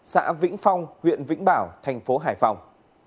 xã vĩnh phong huyện vĩnh bảo thành phố hải phòng